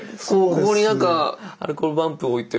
ここになんかアルコールランプ置いて。